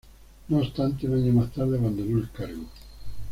No obstante, un año más tarde abandonó el cargo.